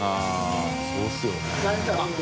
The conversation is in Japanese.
△そうですよね。